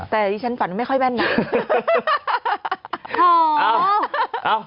แต่ที่ฉันฝันไม่ค่อยแม่นหนัก